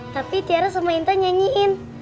tapi tiara sama inta nyanyiin